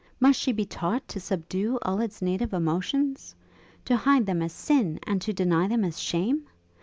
Must she be taught to subdue all its native emotions? To hide them as sin, and to deny them as shame?